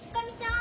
ん？